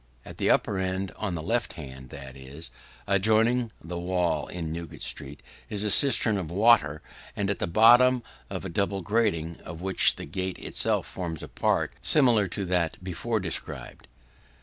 At the upper end, on the left hand that is, adjoining the wall in Newgate street is a cistern of water, and at the bottom a double grating (of which the gate itself forms a part) similar to that before described.